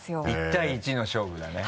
１対１の勝負だね。